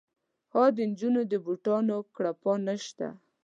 ها د نجونو د بوټونو کړپا نه شته